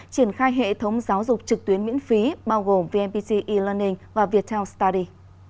triển khai hệ thống giáo dục trực tuyến miễn phí bao gồm vnpt e learning và viettel study